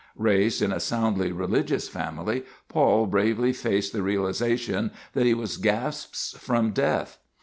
Raised in a soundly religious family, Paul bravely faced the realization that he was gasps from death.